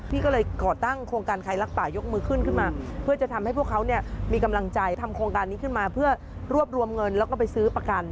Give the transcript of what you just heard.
พี่ก็เลยก่อตั้งโครงการใครรักป่ายกมือขึ้นขึ้นมาเพื่อจะทำให้พวกเขาเนี่ยมีกำลังใจทำโครงการนี้ขึ้นมาเพื่อรวบรวมเงินแล้วก็ไปซื้อประกัน